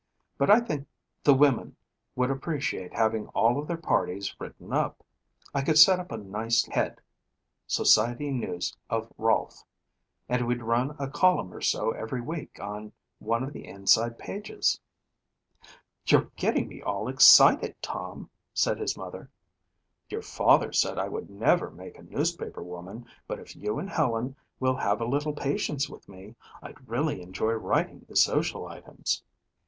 But I think the women would appreciate having all of their parties written up. I could set up a nice head, 'Society News of Rolfe,' and we'd run a column or so every week on one of the inside pages." "You're getting me all excited, Tom," said his mother. "Your father said I never would make a newspaper woman but if you and Helen will have a little patience with me, I'd really enjoy writing the social items."